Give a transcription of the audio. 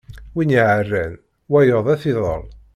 Win yeɛran, wayeḍ ad t-idel.